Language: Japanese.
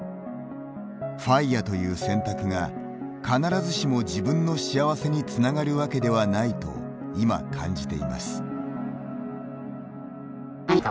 ＦＩＲＥという選択が必ずしも自分の幸せに繋がるわけではないと今、感じています。